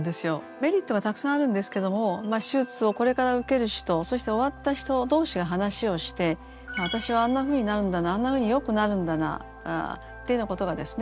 メリットがたくさんあるんですけども手術をこれから受ける人そして終わった人同士が話をして私はあんなふうになるんだなあんなふうによくなるんだなっていうようなことがですね